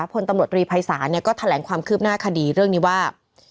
พลตำรวจรีภัยศาลก็แถลงความคืบหน้าคดีเรื่องนี้ว่า